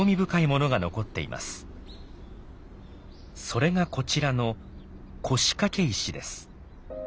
それがこちらの腰掛石です。